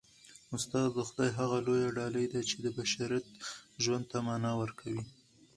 استاد د خدای هغه لویه ډالۍ ده چي د بشریت ژوند ته مانا ورکوي.